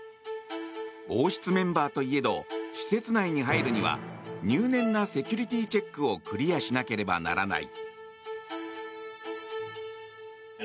王室メンバーといえど施設内に入るには入念なセキュリティーチェックをクリアしなければならない。